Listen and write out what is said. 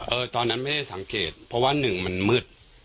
อเจมส์เอ่อตอนนั้นไม่ได้สังเกตเพราะว่าหนึ่งมันมืด